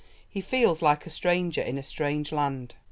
He feels like a stranger in a strange land.